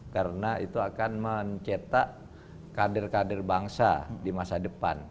karena itu akan mencetak kader kader bangsa di masa depan